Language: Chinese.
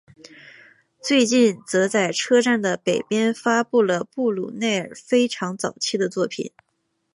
最近则在车站的北边发现了布鲁内尔非常早期的作品。